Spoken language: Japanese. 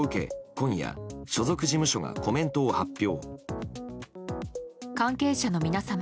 今夜所属事務所がコメントを発表。